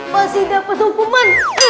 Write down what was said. pasti dapat hukuman